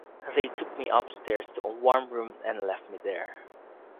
They took me upstairs to a warm room and left me there.